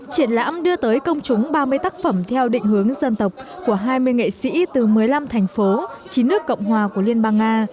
triển lãm đưa tới công chúng ba mươi tác phẩm theo định hướng dân tộc của hai mươi nghệ sĩ từ một mươi năm thành phố chín nước cộng hòa của liên bang nga